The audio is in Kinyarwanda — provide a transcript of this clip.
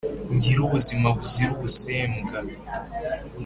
Ngire ubuzima buzira ubusembwa